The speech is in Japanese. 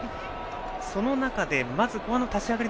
その中で、まず後半の立ち上がり